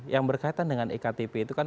yang berkaitan dengan ektp itu kan